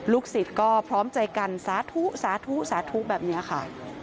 สิทธิ์ก็พร้อมใจกันสาธุสาธุสาธุแบบนี้ค่ะ